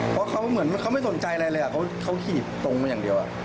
เพราะเขาเหมือนเขาไม่สนใจอะไรเลยเขาขี่ตรงมาอย่างเดียว